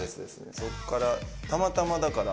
そっからたまたまだから。